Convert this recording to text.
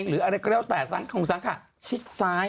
หรืออะไรก็แล้วแต่สังคงสังขาะชิดซ้าย